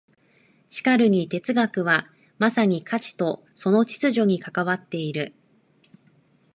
しかるに哲学はまさに価値とその秩序に関わっている。